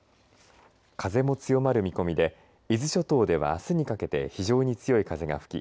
風も強まる見込みで伊豆諸島ではあすにかけて非常に強い風が吹き